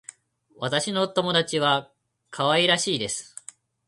私の友達は可愛らしいです。